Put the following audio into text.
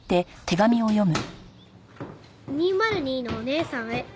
「２０２のお姉さんへ」